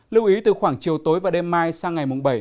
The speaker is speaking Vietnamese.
lưu ý từ khoảng chiều tối và đêm mai sang ngày mùng bảy